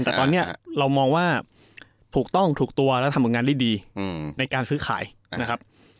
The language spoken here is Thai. แต่ตอนนี้เรามองว่าถูกต้องถูกตัวและทำผลงานได้ดีในการซื้อขายนะครับ